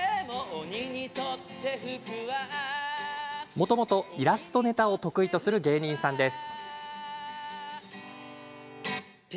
もともとイラストネタを得意とする芸人さんです。